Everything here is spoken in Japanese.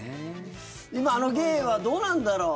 あの芸はどうなんだろう。